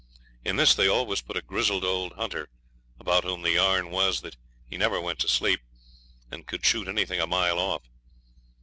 In this they always put a grizzled old hunter, about whom the yarn was that he never went to sleep, and could shoot anything a mile off.